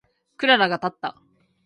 クララがたった。